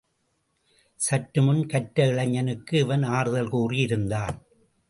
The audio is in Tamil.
சற்றுமுன் கற்ற இளைஞனுக்கு இவன் ஆறுதல் கூறி இருந்தான்.